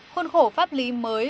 khuôn khổ pháp lý mùa xuân